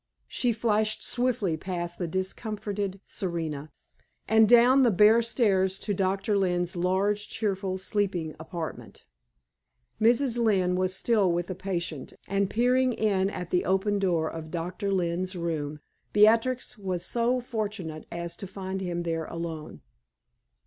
She flashed swiftly past the discomfited Serena, and down the bare stairs to Doctor Lynne's large cheerful sleeping apartment. Mrs. Lynne was still with the patient, and peeping in at the open door of Doctor Lynne's room, Beatrix was so fortunate as to find him there alone.